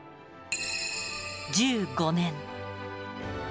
１５年。